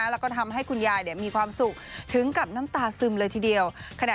แล้วก็ทำให้คุณยายมีความสุขถึงกับน้ำตาซึมเลยทีเดียว